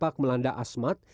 sejak melanda asmat